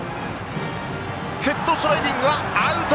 ヘッドスライディングはアウト！